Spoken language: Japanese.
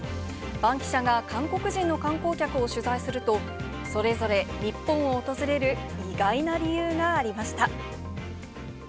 バンキシャが韓国人の観光客を取材すると、それぞれ日本を訪れる意外な理由がありました。